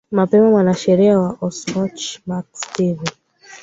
mapema mwanasheria wa asanch mark stephen